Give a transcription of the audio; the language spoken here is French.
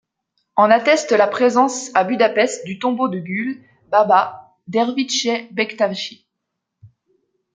En atteste la présence à Budapest du tombeau de Gül Baba, derviche bektachi.